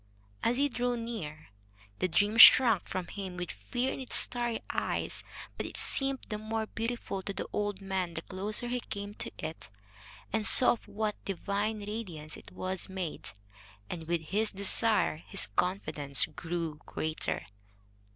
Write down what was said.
As he drew near, the dream shrank from him, with fear in its starry eyes; but it seemed the more beautiful to the old man the closer he came to it and saw of what divine radiance it was made; and, with his desire, his confidence grew greater.